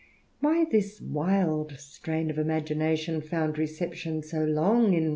^Vhy this wild strain of imagination found reception SO THE RAMBLER.